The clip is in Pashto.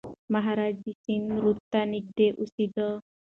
مهاراجا د سند رود ته نږدې اوسېده.